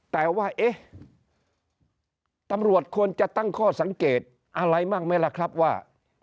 แต่ว่าเอ๊ะตำรวจควรจะตั้งข้อสังเกตอะไรบ้างไหมล่ะครับว่า